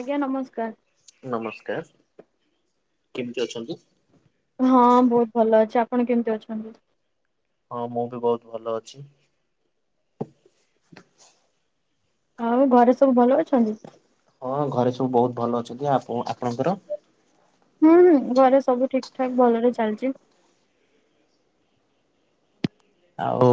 ଆଜ୍ଞା ନମସ୍କାର୍। ନମସ୍କାର୍ କେମିତି ଅଛନ୍ତି? ହଁ, ବହୁତ ଭଲ ଅଛି ଆପଣ କେମିତି ଅଛନ୍ତି? ହଁ, ମୁଁ ବି ବହୁତ ଭଲ ଅଛି। ଆଉ ଘରେ ସବୁ ଭଲ ଅଛନ୍ତି? ହଁ, ଘରେ ସବୁ ବହୁତ ଭଲ ଅଛନ୍ତି ଆପଣ ଆପଣଙ୍କର? ହୁଁ, ଘରେ ସବୁ ଠିକ୍ ଠାକ୍ ଭଲରେ ଚାଲିଚି। ଆଉ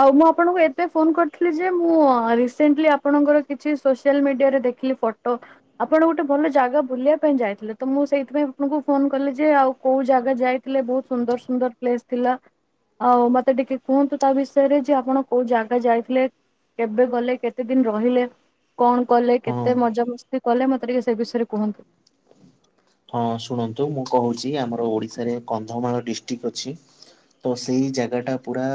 ଆଉ ମୁଁ ଆପଣଙ୍କୁ ଏତେ ଫୋନ କରିଥିଲି ଯେ ମୁଁ ରିସେଣ୍ଟଲି ଆପଣଙ୍କର କିଛି ସୋସିଆଲ ମିଡିଆରେ ଦେଖିଲି। ଫଟୋ। ଆପଣ ଗୋଟେ ଭଲ ଜାଗା ବୁଲିବା ପାଇଁ ଯାଇଥିଲେ ତ ମୁଁ ସେଇଥିପାଇଁ ଆପଣଙ୍କୁ ଫୋନ କଲି ଯେ ଆଉ କୋଉ ଜାଗା ଯାଇ ଥିଲେ ବହୁତ ସୁନ୍ଦର ସୁନ୍ଦର ପ୍ଲେସ୍ ଥିଲା ଆଉ ମତେ ଟିକେ କୁହନ୍ତୁ ତା ବିଷ ୟରେ ଯେ ଆପଣ କୋଉ ଜାଗା ଯାଇଥିଲେ କେବେ ଗଲେ କେତେ ଦିନ୍ ରହିଲେ? କଣ କଲେ ହଁ। କେତେ ମଜା ମସ୍ତି କଲେ ମତେ ଟିକେ ସେ ବିଷୟରେ କୁହନ୍ତୁ? ହଁ ଶୁଣନ୍ତୁ ମୁଁ କହୁଛି ଆମର ଓଡିଶାରେ କନ୍ଧମାଳ ଡିଷ୍ଟିକ୍ ଅଛି। ତ ସେଇ ଜାଗାଟା ପୁରା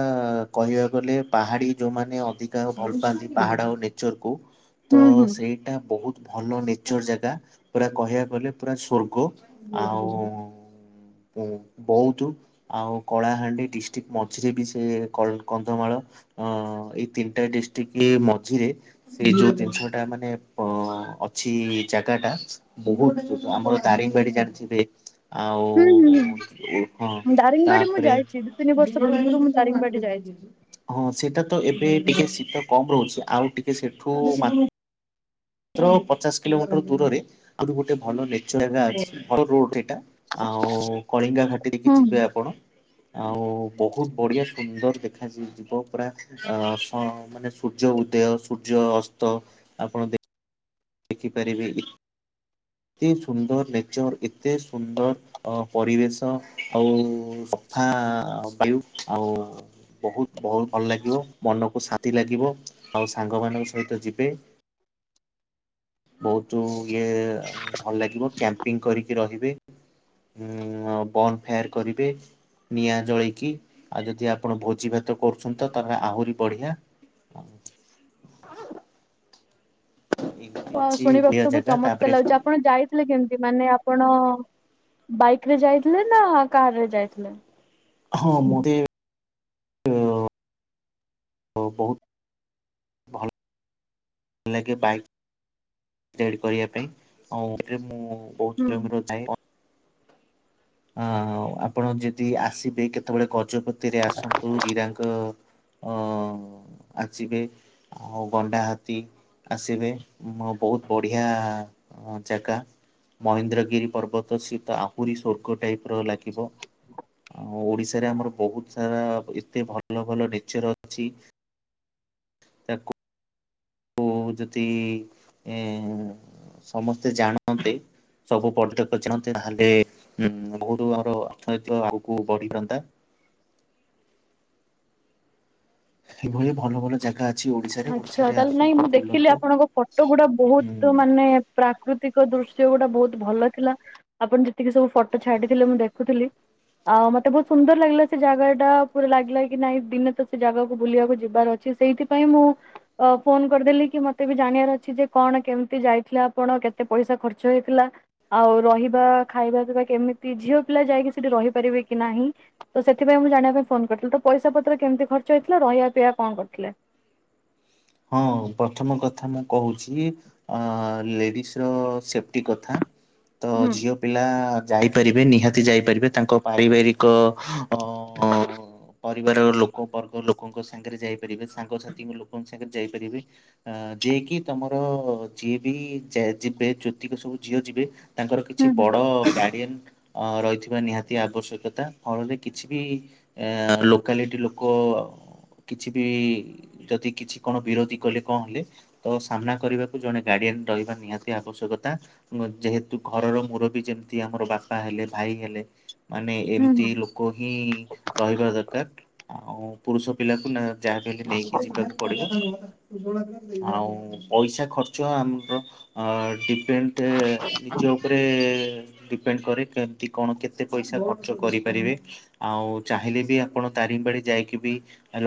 କହିବାକୁ ଗଲେ ପାହାଡି ଯୋଉମାନେ ଅଧି କା ଭଲପାନ୍ତି ପାହାଡ଼ ଓ ନେଚର କୁ ତ ହୁଁ ହୁଁ ସେଇଟା ବହୁତ ଭଲ ନେଚର ଜାଗା ପୁରା କହିବାକୁ ଗଲେ ପୁରା ସ୍ବ ର୍ଗ ଆଉ ବହୁତ ଆଉ କଳାହାଣ୍ଡି ଡିଷ୍ଟ୍ରିକ ମଝିରେ ବି ସେ କଳ କନ୍ଧମାଳ। ଅ ଏଇ ତିନିଟା ଡିଷ୍ଟ୍ରିକ ମଝିରେ ସେ ଯୋଉ ଜିନିଷଟା ମାନେ ଅ ଅଛି ଜାଗାଟା ବହୁତ ଆମର ଦାରିଙ୍ଗବାଡି ଜାଣିଥିବେ? ହୁଁ ହୁଁ ଆଉ ହୁଁ ହଁ ଦାରିଙ୍ଗବାଡି ମୁଁ ତାପରେ ଯାଇଛି ଦି ତିନି ବର୍ଷ ପୂର୍ବରୁ ମୁଁ ଦାରିଙ୍ଗବାଡି ଯାଇଛି। ହଁ ସେଟା ତ ଏବେ ଟିକେ ଶୀତ କମ ରହୁଛି ଆଉ ଟିକେ ସେଠୁ ମା ତ୍ର ପଚାଶ କିଲୋମିଟର ଦୂରରେ ଆଉରି ଗୋଟେ ଭଲ ନେଚର ଯାଗା ଅଛି ଭଲ ରୁଟ ସେଇଟା ଆଉ କଳିଙ୍ଗା ଘାଟି ଦେଇକି ହୁଁ ହୁଁ। ଯିବେ ଆପଣ। ଆଉ ବହୁତ ବଢିଆ ସୁନ୍ଦର ଦେଖାଯିବ ପୁରା ଅ ସ ମାନେ ସୂର୍ଯ୍ୟ ଉଦୟ ସୂର୍ଯ୍ୟ ଅସ୍ତ ଆପଣ ଦେଖ ଦେଖିପାରିବେ ଏତେ ସୁନ୍ଦର ନେଚର ଏତେ ସୁନ୍ଦର ଅ ପରିବେଶ ଆଉ ସଫା ବାୟୁ ଆଉ ବହୁତ ବହୁତ୍ ଭଲ ଲାଗିବ ମନକୁ ଶାନ୍ତି ଲାଗିବ ଆଉ ସାଙ୍ଗମାନଙ୍କ ସହିତ ଯିବେ। ବହୁତ୍ ଇଏ ଭଲ ଲାଗିବ କ୍ୟାମ୍ପିଙ୍ଗ କରିକି ରହିବେ। ଉଁ ବନ ଫୋୟାର କରିବେ। ନିଆଁ ଜଳିକି ଆଉ ଯଦି ଆପଣ ଭୋଜି ଭାତ କରୁଛନ୍ତି ତ ତାହେଲେ ଆହୁରି ବଢିଆ। ହଁ ଅଛି ଶୁଣିବାକୁ ବୁଲିବା ତ ବହୁ ଜାଗା ଚମତ୍କାର ତାପରେ ଲାଗୁଛି ଆପଣ ଯାଇଥିଲେ କେମତି ମାନେ ଆପଣ ବାଇକରେ ଯାଇଥିଲେ ନା କାର୍ ରେ ଯାଇଥିଲେ। ହଁ ମତେ ଅ ବହୁତ ଭଲ ଭଲ ଲାଗେ ବାଇକ୍ ଯେଡ କରିବା ପାଇଁ ଆଉଥିରେ ମୁଁ ବହୁତ ହୁଁ। କିଲୋମିଟର ଯାଏ। ହଁ ଆପଣ ଯଦି ଆସିବେ କେତେବେଳେ ଗଜପତିରେ ଆସନ୍ତୁ ଜିରାଙ୍ଗ ଅ ଆଚିବେ ଆଉ ଗଣ୍ଡା ହାତୀ। ଆସିବେ ମୋ ବହୁତ ବଢିଆ ଜାଗା। ମହେନ୍ଦ୍ରଗିରି ପର୍ବତ ସିଏତ ଆହୁରି ସ୍ୱର୍ଗ ଟାଇପର ଲାଗିବ। ଆଉ ଓଡିଶାରେ ଆମର ବହୁତ ସାରା ଏତେ ଭଲ ଭଲ ନେଚର ଅଛି। ତାକୁ ଉଁ ଯଦି ଏ ସମସ୍ତେ ଜାଣନ୍ତେ। ସବୁ ପର୍ଯ୍ୟଟକ ତାହେଲେ ଉଁ ବହୁତ ଆମର ଅର୍ଥନୈତିକ ଆଗକୁ ବଢିଥାନ୍ତା। ଏଇଭଲି ଭଲ ଭଲ ଜାଗା ଅଛି ଓଡିଶାରେ ଆଚ୍ଛା ଓଡିଶାରେ ତାହେଲେ ନାଇଁ ମୁଁ ଆସନ୍ତୁ ଦେଖିଲି ବୁଲନ୍ତୁ ଆପଣଙ୍କ ଫଟୋ ଗୁଡା ହୁଁ। ବହୁତ ମାନେ ପ୍ରାକୃତିକ ଦୃଶ୍ୟ ଗୁଡ଼ା ବହୁତ ଭଲ ଥିଲା। ଆପଣ ଯେତିକି ସବୁ ଫଟୋ ଛାଡିଥିଲେ ମୁଁ ଦେଖୁଥିଲି। ଆଉ ମତେ ବହୁତ ସୁନ୍ଦର ଲାଗିଲା ସେ ଜାଗା ଟା ପୁରା ଲାଗିଲା କି ନାଇଁ ଦିନ ତ ସେ ଜାଗାକୁ ବୁଲିବାକୁ ଯିବାର ଅ ଛି ସେଇଥିପାଇଁ ମୁଁ ଅ ଫୋନ କରିଦେଲି କି ମତେ ବି ଜାଣିବାର ଅଛି ଯେ କଣ କେମିତି ଯାଇଥିଲେ ଆପଣ କେତେ ପଇସା ଖର୍ଚ୍ଚ ହେଇଥିଲା। ଆଉ ରହିବା ଖାଇବା ପିବା କେମିତି ଝିଅ ପିଲା ଯାଇକି ସେଠି ରହିପାରିବେ କି ନାହିଁ? ତ ସେଥିପାଇଁ ମୁଁ ଯାଣିବା ପାଇଁ ଫୋନ କରିଥିଲି ତ ପଇସା ପତ୍ର କେମିତି ଖର୍ଚ୍ଚ ହେଇଥିଲା ରହିବା ପିଇବା କଣ କରିଥିଲେ? ହଁ ପ୍ରଥମ କଥା ମୁଁ କହୁଛି। ଅ ଲେଡିସ୍ ର ସେଫ୍ଟି କଥା। ତ ହୁଁ। ଝିଅ ପିଲା ଯାଇପାରିବେ ନିହାତି ଯାଇପାରିବେ ତାଙ୍କ ପାରିବାରିକ- ଅ ପରିବାର ଲୋକ ବର୍ଗ ଲୋକଙ୍କ ସାଙ୍ଗରେ ଯାଇପାରିବେ ସାଙ୍ଗସାଥିଙ୍କ ଲୋକ ସେ ଯାଇପାରିବେ। ଅ ଯିଏ କିି ତମର ଯିଏ ବି ଯିବେ ଜ୍ୟୋତିକ ସବୁ ଝିଅ ଯିବେ। ତାଙ୍କର ହୁଁ କିଛି ହୁଁ ବଡ ଗାର୍ଡିଆନ ରହିଥିବା ନିହାତି ଆବଶ୍ୟକତା ଫଳରେ କିଛି ବି ଏ ଲୋକାଲିଟି ଲୋକ କିଛି ବି ଯଦି କିଛି କଣ ବିରୋଧୀ କଲେ କଣ ହେଲେ ତ ସାମ୍ନା କରିବାକୁ ଜଣେ ଗାଡିଆନ ରହିବା ନିହାତି ଆବଶ୍ୟକତା। ଯେହେତୁ ଘରର ମୁରବି ଯେମିତି ଆମର ବାପା ହେଲେ ଭାଇ ହେଲେ। ମାନେ ହୁଁ ଏମିତି ହୁଁ ଲୋକ ହିଁ ରହିବା ଦରକାର ଆଉ ପୁରୁଷ ପିଲାକୁ ନା ଯାହାବିହେଲେ ନେଇକି ଯିବା ପଡ଼ିବ ଆଉ ପଇସା ଖର୍ଚ୍ଚ ଆମର ଡିପେ- ନଡ୍ ନିଜ ଉ ଉପରେ ଡିପେଣ୍ଡ କରେ କେମିତି କଣ କେତେ ପଇସା ଖର୍ଚ୍ଚ କରିପାରିବେ। ଆଉ ଚାହିଁଲେ ବି ଆପଣ ତାରିଙ୍ଗ ବାଡି ଯାଇକି ବି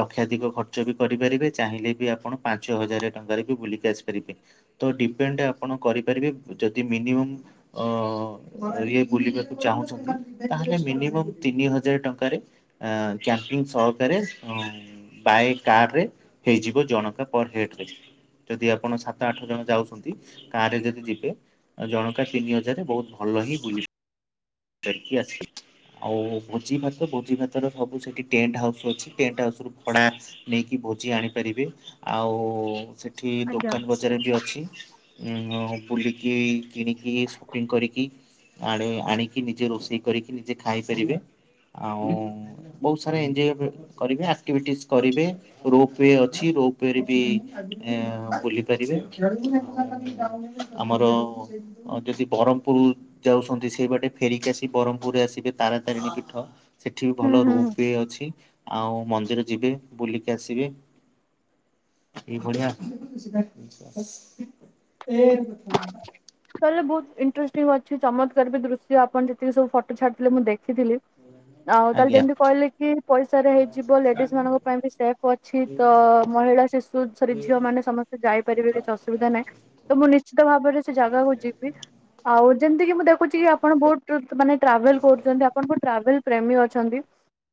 ଲକ୍ଷାଧିକ ଖର୍ଚ୍ଚ ବି କରିପାରିବେ। ଚାହିଁଲେ ବି ଆପଣ ପାଞ୍ଚ ହଜାର ଟଙ୍କାରେ ବି ବୁଲିକି ଆସିପାରିବେ। ତ ଡିପେଣ୍ଡ ଆପଣ କରିପାରିବେ ଯଦି ମିନିମମ୍ ଅ ଯିଏବୁଲିବାକୁ ଚାହୁଁଛନ୍ତି ତାହେଲେ ମିନିମମ୍ ତିନି ହଜାର ଟଙ୍କାରେ ଅ, କ୍ୟାମ୍ପିଙ୍ଗ ସହକାରେ, ଆଉ ବାଇ କାର୍ ରେ- ହେଇଯିବ ଜଣଙ୍କା ପର୍ ହେଡ୍ ରେ। ଯଦି ଆପଣ ସାତ ଆଠ ଜଣ ଯାଉଛନ୍ତି କାର୍ ରେ ଯଦି ଯିବେ ଆଉ ଜଣଙ୍କା ତିନି ହଜାର ବହୁତ ଭଲ ହିଁ ବୁଲି ଦେଖିକି ଆସିଲୁ। ଆଉ ଭୋଜି ଭାତ ଭୋଜି ଭାତର ସବୁ ସେଠି ଟେଣ୍ଟ ହାଉସ୍ ଅଛି। ଟେଣ୍ଟ ହାଉସ୍ ରୁ ଭଡ଼ା- ନେଇକି ଭୋଜି ଆଣିପାରିବେ, ଆଉ ସେ ଠି ଆଜ୍ଞା। ଦୋକାନ ବଜାର ବି ଅଛି। ଉଁ, ହଁ, ବୁଲିକି କିଣିକି ସପିଙ୍ଗ କରିକି ଆଣ ଆଣିକି ନିଜେ ରୋଷେଇ କରିକି ନିଜେ ଖାଇପାରିବେ। ଆଉ ବହୁତ ସାରା ଏନଜୟ କରିବେ, ଆକ୍ଟିଭିଟିସ୍ କରିବେ। ରୋପୱେ ଅଛି ରୋପୱେ ରେ ବି ବୁଲି ପାରିବେ। ଆମର ଅ, ଯଦି ବରମପୁର ଯାଉଛନ୍ତି ସେଇ ବାଟେ ଫେରିକି ଆସି ବରମପୁରରେ ଆସିବେ ତାରାତାରିଣୀ ପୀଠ ସେଠି ବି ହୁଁ ଭଲ ହୁଁ ହୁଁ ରୁପ୍ ୱେ ଅଛି। ଆଉ ମନ୍ଦିର ଯିବେ ବୁଲିକି ଆସିବେ। ଏ ଭଳିଆ ତାହାଲେ ବହୁତ ଇଂଟରେଷ୍ଟିଙ୍ଗ ଅଛି, ଚମତ୍କାର ବି ଦୃଶ୍ୟ ଆପଣ ଯେତିକି ସବୁ ଫଟୋ ଛାଡିଥିଲେ ମୁଁ ଦେଖିଥିଲି। ହୁଁ। ଆଉ ତାହେଲେ ଯେମିତି କହିଲେ କି ପଇସା ରେ ହେଇଯିବ, ଲେଡିସ୍ ମାନଙ୍କ ପାଇଁ ବି ସେଫ୍ ଅଛି। ତ ମହିଳା ଶିଶୁ ସରି ଝିଅ ମାନେ ସମସ୍ତେ ଯାଇପାରିବେ କିଛି ଅସୁବିଧା ନାହିଁ। ତ ମୁଁ ନିଶ୍ ଶ୍ଚିତ ଭାବରେ ସେ ଜାଗାକୁ ଯିବି। ଆଉ ଯେମିତି କିି ମୁଁ ଦେଖୁଛି କି ଆପଣ ବହୁତ ଟ୍ରୁ ମାନେ ଟ୍ରାଭେଲ୍ କରୁଚନ୍ତି, ଆପଣଙ୍କୁ ଟ୍ରାଭେଲ୍ ପ୍ରେମୀ ଅଛନ୍ତି,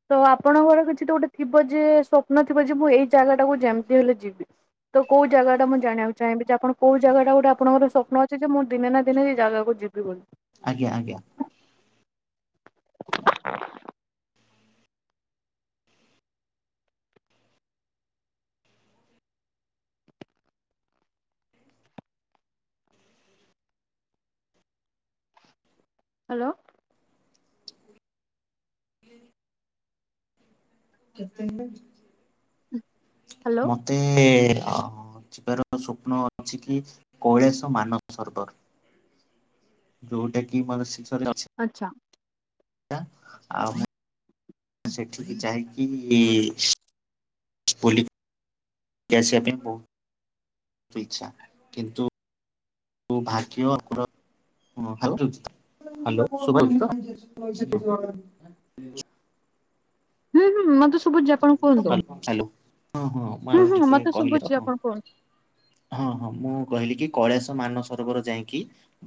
ତ ଆପଣଙ୍କର କିଛି ତ ଗୋଟେ ଥିବ ଯେ ସ୍ୱପ୍ନ ଥିବ ଯେ ମୁଁ ଏଇ ଜାଗା ଟାକୁ ଯେମିତି ହେଲେ ଯିବି, ତ କୋଉ ଜାଗା ଟା ମୁଁ ଜାଣିବାକୁ ଚାହିଁବି? ଯେ ଆପଣ କୋଉ ଜାଗା ଟା ଗୋଟେ ଆ ତ ସ୍ୱପ୍ନ ଅଛି ଯେ ମୁଁ ଦିନେ ନା ଦିନେ ଏଇ ଜାଗାକୁ ଯିବି ବୋଲି। ଆଜ୍ଞା, ଆଜ୍ଞା। ହ୍ୟାଲୋ। [inaudible] [inaudible] ହଁ। ମୋତେ ଅ, ଯିବାର ସ୍ବପ୍ନ ଅଛି କି କୈଳାସ ମାନ ସରବର। ଯୋଉଟା କି ମାନେ [unintelligible] ରେ ଅଛି। ଆଚ୍ଛା। ଟା ଆଉ [inaudible] ସେଠିକି ଯାଇକି ବୁଲିବି। କି ଆସିବା ପାଇଁ ବହୁ ତୁ ଇଚ୍ଛା, କିନ୍ତୁ କୁ ଭାଗ୍ୟ [inaudible] ହଁ ହାଲୋ, ହାଲୋ ଶୁଭା ହଉଛି ତ? ହୁଁ, ହୁଁ, ମୋତେ ଶୁଭୁଛି ଆପଣ କୁହନ୍ତୁ। ହଁ ମୁଁ ହୁଁ, ଆପଣ ହୁଁ ଟିକେ ମୋତେ କହିଲେ ତ ଶୁଭୁଛି ହଁ। ଆପଣ କୁହନ୍ତୁ। ହଁ, ହଁ ମୁଁ କହିଲି କି କୈଳାସ ମାନ ସରୋବର ଯାଇକି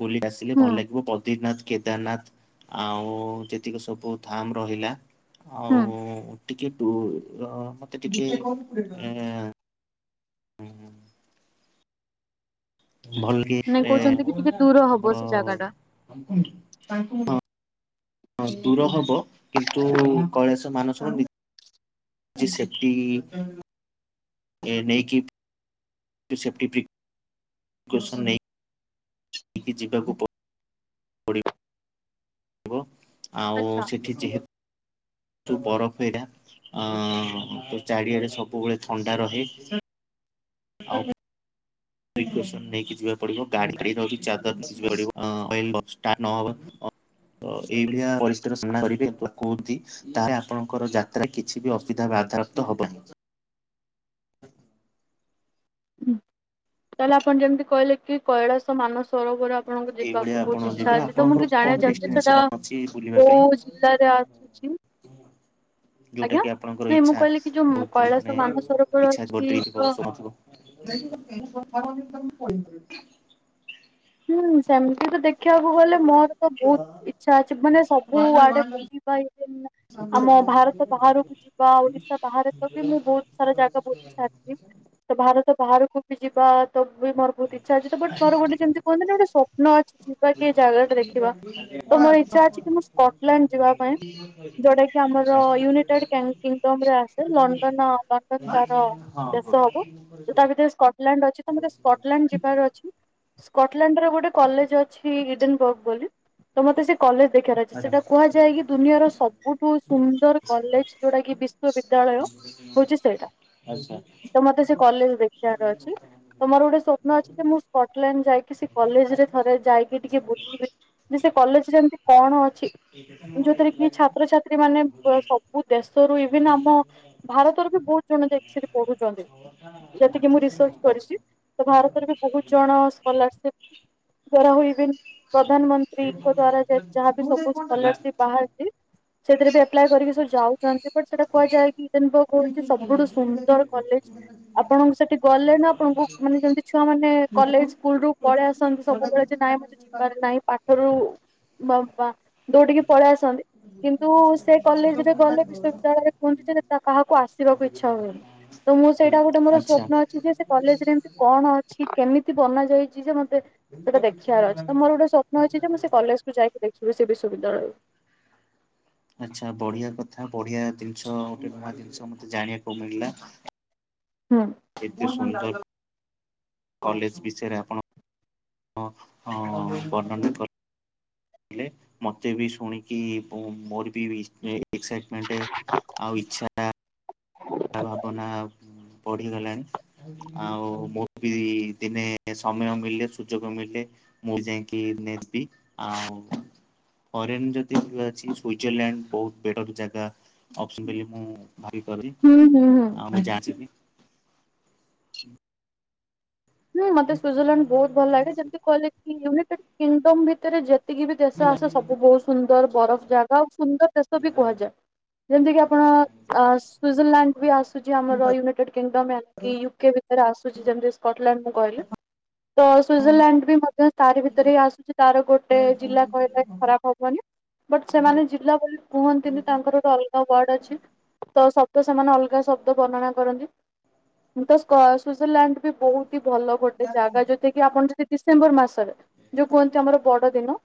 ବୁଲି ଆସିଲେ ଭଲ ହୁଁ ଲାଗିବ। ବ ଦିନାଥ, କେଦାରନାଥ ଆଉ ଯେତିକି ସବୁ ଧାମ୍ ରହିଲା। ହୁଁ ଆଉ ଟିକେ ଦୂର ମୋତେ ଟିକେ ଏଁ, ହୁଁ, ହୁଁ। ଭଲ କି ନାଇଁ ଏ, କହୁଛନ୍ତି କି ଟିକେ ଦୂର ହବ ଆମର ସେ ଜାଗା ଟା। ହଁ ଦୂର ହବ କିନ୍ତୁ କୈଳାସ ମାନସର ଭି ଚି ସେଫ୍ଟି ଏ ନେଇକି ଯୋଉ ସେଫ୍ଟି ପିକସନ୍ ନେଇ ସେଠିକି ଯିବାକୁ ପଡିବ ଆଉ ଆଚ୍ଛା। ସେଠି ଯେହେ ତୁ ବରଫ ଏଇଟା ଅ ତ ଚାରିଆରେ ସବୁବେଳେ ଥଣ୍ଡା ରହେ। ଆଉ ଭେସକ୍ସନ ନେଇକି ଯିବାକୁ ପଡିବ ଗାଡିଛି ଚଦରହ [unintelligible] ଅ ତ ଏଇଭଳିଆ ପରିସ୍ଥିତିର ସାମ୍ନା କରିବେ [unintelligible] ତାହେଲେ ଆପଣଙ୍କର ଯାତ୍ରା କିଛି ବି ଅସୁବିଧା ବା ବାଧାରାପ୍ତ ହବନିଁ। [inaudible] ତାହେଲେ ଆପଣ ଯେମିତି କହିଲେ କି କୈଳାସ ହ ମାନସ ସରୋବର ଆପଣଙ୍କୁ ଏଇଭଳିଆ ଯିବାକୁ ଆପଣ ବହୁତ ଇଚ୍ଛା ଯିବେ ଅଛି ତ ମୁଁ ଆପଣଙ୍କର ଖାଲି କଣ ଜାଣିବାକୁ ଚାହୁଁଛି ଡେଷ୍ଟିନେସନ ସେଟା ଅଛି କୋଉ ଜିଲ୍ଲାରେ ଅଛି। ହୁଁ। ଯୋଉଟା କି ଆପଣଙ୍କର ନାଇଁ ମୁଁ ଇଛା କହିଲି କି ଯୋଉ ବହୁତ ମାନେ କୈଳାସ ମାନସରୋବର ଇଚ୍ଛା ଅଛି ବଡଇଥିବ ତ ଶୁଣୁଥିବ କହି [unintelligible] ହୁଁ ସେମିତି ତ ଦେଖ ଦେଖିବାକୁ ଗଲେ ମୋର ତ ବହୁତ ଇଛା ଅଛି ମାନେ ସବୁ ଆଡେ ବୁଲିିଯିବା ଆମ ଭାରତ ବାହାରକୁ ଯିବା ଓଡିଶା ବାହାରେ ତ ବି ମୁଁ ବହୁତ ସାରା ଜାଗା ବୁଝି ସାରିଛି। ତ ଭାରତ ବାହାରକୁ ବି ଯିବା ତ ବି ମୋର ବହୁତ ଇଚ୍ଛା ଅଛି ତ ବ ମୋର ଗୋଟେ ଯେମିତି କୁହନ୍ତିନି ଗୋଟେ ସ୍ଵପ୍ନ ଅଛି ଯିବା କି ଜାଗା ଟା ଦେଖିବା ତ ମୋର ଇଚ୍ଛା ଅଛି ମୁଁ ସ୍କ ଇକ୍ଲଣ୍ଡ ଯିବା ପାଇଁ ଯଉଟାକି ଆମର ୟୁନାଇଟେଡ କିଙ୍ଗଡମ ରେ ଆସେ ଲଣ୍ଡନ ପା ହଁ ହଁ। ସ୍କଟଲଲାଣ୍ଡ ଅଛି ତ ମତେ ସ୍କଟଲଣ୍ଡ ଯିବାର ଅଛି। ସ୍କଟଲଣ୍ଡର ଗୋଟେ କଲେଜ ଅଛି ଇଡେନ ବର୍ଗ ବୋଲି ତ ମୋତେ ସେ କଲେଜ ଦେଖୀବାରଅଛି ଆଚ୍ଛା ସେଟା କୁହାଯାଏ କି ଦୁନିଆର ସବୁଠୁ ସୁନ୍ଦର କଲେଜ ଯୋଉଟା କି ବି ବିଶବିଦ୍ୟାଳୟ ହଉଚି ସେଇଟା। ତ ମତେ ସେ କଲେଜ ଦେଖିବାର ଅଛି। ତମୋର ଗୋଟେ ସ୍ୱପ୍ନ ଅଛି ଯେ ମୁଁ ସ୍କଟଲଣ୍ଡ ଯାଇକି କି ସେ କଲେଜ ରେ ଥରେ ଯାଇକି ଟିକେ ବୁଲିବେ ଯେ ସେ କଲେଜରେ ଏମିତି କଣ ଅଛି ଯୋଉଥିରେ କି ଛାତ୍ରଛାତ୍ରୀ ମାନେ ସବୁ ଦେଶରୁ ଇଭିନ ଆମ ଭାରତରୁ ବି ବହୁତ ଜଣ ଯାଇକି ସେଇଠି ପଢୁଛନ୍ତି ଯେତିକି ମୁଁ ରିସର୍ଚ୍ଚ ଆଚ୍ଛା କରିଛି ତ ଭାରତରେ ବି ବହୁତ ଜଣ ସ୍କୋଲାରଶିପ ଦ୍ଵାରା ହୋଉ ଏଭନ୍ ପ୍ରଧାନମନ୍ତ୍ରୀଙ୍କ ଦ୍ଵାରା ଯାହାବି ସୂପୋଜ କଲେଜ ଟି ବାହାରିଛି ସେଥିରେ ବି ଆପ୍ଲାଏ କରିକି ସବୁ ଯାଉଛନ୍ତି। ବଟ ସେଟା କୁହାଯାଏ କି ଇରେନବ ହଉଛି ସବୁଠୁ ସୁନ୍ଦର କଲେଜ ଆପଣଙ୍କ ସେଠି ଗଲେ ନା ଆପଣଙ୍କୁ ମାନେ ଯେମିତି ଛୁଆ ମାନେ କଲେଜ ସ୍କୁଲ ରୁ ପଳେଇ ଆସନ୍ତି ସବୁବେଳେ ଯେ ନାଇଁ ମତେ ଯିବାରେ ନାହିଁ ପାଠରୁ ବ ବା ଦୌଡ଼ିକି ପଳେଇ ଆସନ୍ତି କିନ୍ତୁ ସେ କଲେଜ ରେ ଗଲେ ବିଶ୍ୱବିଦ୍ୟାଳୟରେ ପୁହଞ୍ଚିଛି ଯେ ତା କାହାକୁ ଆସିବାକୁ ଇଚ୍ଛା ହୁଏନି ତ ମୁଁ ସେଇଟା ଗୋଟେ ମୋର ଆଚ୍ଛା। ସ୍ୱପ୍ନ ଅଛି ଯେ ସେ କଲେଜରେ ଏମତି କଣ ଅଛି କେମିତି ବନା ଯାଇଛି ଯେ ମତେ ସେଇଟା ଦେଖିବାର ଅଛି ଯେ ମୋର ଗୋଟେ ସ୍ୱପ୍ନ ଅଛି ଯେ ମୁଁ ସେ କଲେଜକୁ ଯାଇକି ଦେଖିବି ସେ ବିଶ୍ୱବିଦ୍ୟାଳୟରୁ ଆଚ୍ଛା ବଢିଆ କଥା ବଢିଆ ଜିନିଷ ଗୋଟେ ନୂଆ ଜିନିଷ ମତେ ଜାଣିବାକୁ ମିଳିଲା। ହଁ। ଏତେ ସୁନ୍ଦର କଲେଜ ବିଷୟରେ ଆପଣ ହଁ ହଁ ବର୍ଣନା କଲେ ମତେ ବି ଶୁଣିକି ମୋର ବି ଏକ୍ସାଇଟମେଣ୍ଟ ଆଉ ଇଛାଟା ବା ଭାବନା ବଢିଗଲାଣି ଆଉ ମୁଁ ବି ଦିନେ ସମୟ ମିଳିଲେ ସୁଯୋଗ ମିଳିଲେ ମୁଁ ଯାଇକି ନେବି ଆଉ ଫରେନ୍ ଯଦି ଅଛି ସୁଜରଲ୍ୟାଣ୍ଡ ବହୁତ ବେଟର ଜାଗା। ଅସ ବୋଲି ମୁଁ ଭାବି କରିିବି ହୁଁ ହୁଁ ହୁଁ। ଆଉ [unintelligible] ହୁଁ ମତେ ସୁିଜରଲ୍ୟାଣ୍ଡ ବହୁତ ଭଲ ଲାଗେ ଯେମିତି କହିଲେ ୟୁନାଇଟେଡ୍ କିଙ୍ଗଡମ ଭିତରେ ଯେ ଏତିକି ବି ଦେଶ ଆସେ ସବୁ ବହୁତ ସୁନ୍ଦର ବରଫ ଜାଗା ଆଉ ସୁନ୍ଦର ଦେଶ ବି କୁହାଯାଏ। ଯେମିତି କି ଆପଣ ସ୍ୱୁଜରଲ୍ୟାଣ୍ଡ ବି ଆସୁଚି ଆମର ୟୁନାଇଟେଡ୍ କିଙ୍ଗଡମ ଏିକି ୟୁକେ ଭିତରେ ଆସୁଚି ଯେମତି [unintelligible] ମୁଁ କହିଲି। ତ ସ୍ୱୁଜରଲ୍ୟାଣ୍ଡ ବି ମଧ୍ୟ ତାରି ଭିତରେ ହିଁ ଆସୁଚି ତାର ଗୋଟେ ଜିଲ୍ଲା କହିଲେ ଖରାପ ହବନି। ବଟ୍ ସେମାନେ ଜିଲ୍ଲା ବୋଲି କୁହନ୍ତିନି ତାଙ୍କର ଗୋଟେ ଅଲଗା ୱାର୍ଡ ଅଛି ତ ସ ତ ସେମାନେ ଅଲଗା ଶବ୍ଦ ବର୍ଣ୍ଣନା କରନ୍ତି। [unintelligible] ସ୍ଵିଜରଲ୍ୟାଣ୍ଡ ବି ବହୁତ ଭଲ ଗୋଟେ ଜାଗା ଯୋଉଟ କି ଆପଣ ଯଦି ଡିସେମ୍ବର ମାସରେ ଯୋଉ କୁହନ୍ତି ଆମର ବଡ ଦିନ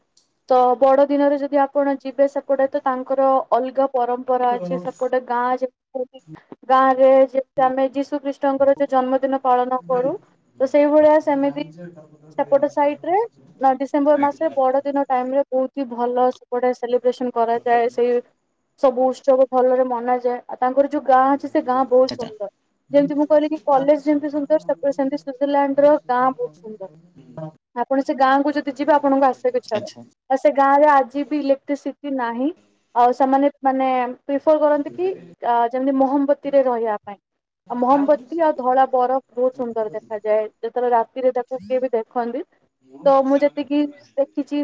ତ ବଡ ଦିନରେ ଯଦି ଆପଣ ଯିବେ ସେପଟେ ତ ତାଙ୍କର ଅଲଗା ପରମ୍ ମ୍ପରା ଅଛି ସେପଟେ ଗାଁ ଯେ ଗାଁ ରେ ଯେମତି ଆମେ ଯୀଶୁ୍କ୍ରି ଷ୍ଣ ଙ୍କର ଯୋଉ ଜନ୍ମଦିନ ପାଳନ କରୁ ତ ସେଇଭଳିଆ ସେମିତି ସେପଟ ସାଇଟ ରେ ଡିସେମ୍ବର ମାସରେ ବଡ ଦିନ ଟାଇମ ରେ ବହୁତ ହି ଭଲ ସଗୁଡ଼େ ସେଲିବ୍ରେସନ୍ କରାଯାଏ ସେଇ ସବୁ ଉତ୍ସବ ଭଲରେ ମନାଯାଏ। ଆଉ ତାଙ୍କର ଯୋଉ ଗାଁ ଅଛି ସେ ଗାଁ ବହୁତ ଆଚ୍ଛା ସୁନ୍ଦର ଯେମିତି ମୁଁ କହିଲି କି କଲେଜ ଯେମିତି ସୁନ୍ଦର ସେପଟ ସେମିତି ସୁିଜରଲ୍ୟାଣ୍ଡ ର ଗାଁ ବହୁତ ସୁନ୍ଦର ଆପଣ ସେ ଗାଁ କୁ ଯଦି ଯିବେ ଆପଣଙ୍କୁ ଆସିବାକୁ ଇଚ୍ଛା ହବନି। ଆଚ୍ଛା ଆଉ ସେ ଗାଁ ରେ ଆଜି ବି ଇଲେକ୍ଟ୍ରିସିଟି ନାହିଁ ଆଉ ସେମାନେ ମାନେ ପ୍ରିଫର କରନ୍ତି କି ଯେମତି ମହମ୍ବତୀରେ ରହିବା ପାଇଁ। ଆଉ ମହମବତୀ ଆଉ ଧଳା ବରଫ ବହୁତ ସୁନ୍ଦର ଦେଖ ଖାଯାଏ ଯେତେବେଳେ ରାତିରେ ତାକୁ କିଏ ବି ଦେଖନ୍ତି ତ ମୁଁ ଯେତିକି ଦେଖିଚି